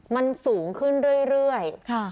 มันสูงขึ้นเรื่อย